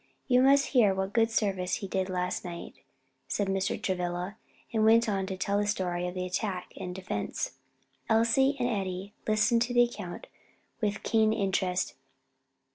You must hear what good service he did last night," said Mr. Travilla, and went on to tell the story of the attack and defense. Elsie and Eddie listened to the account with keen interest.